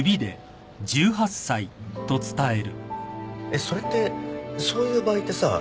えっそれってそういう場合ってさ